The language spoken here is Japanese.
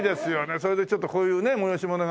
それでちょっとこういうね催し物があればね。